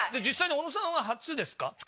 実際に小野さんは初ですか？